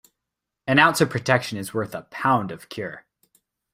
An ounce of protection is worth a pound of cure.